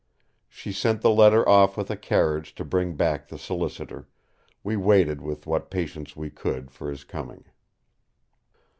She sent the letter off with a carriage to bring back the solicitor; we waited with what patience we could for his coming.